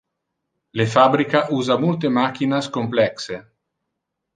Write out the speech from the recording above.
Le fabrica usa multe machinas complexe.